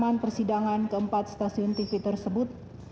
pertama persidangan keempat stasiun tv tersebut